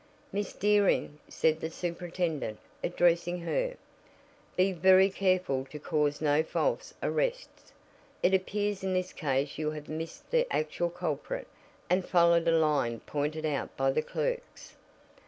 "Miss Dearing," said the superintendent, addressing her, "be very careful to cause no false arrests. It appears in this case you have missed the actual culprit, and followed a line pointed out by the clerks."